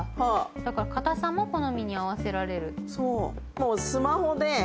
だから硬さも好みに合わせられる。